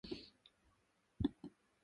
私にとって、経済学の問題は難しい。